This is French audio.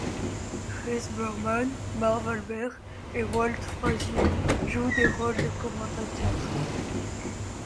Chris Berman, Marv Albert et Walt Frazier jouent des rôles de commentateurs.